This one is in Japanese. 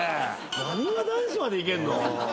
なにわ男子までいけんの？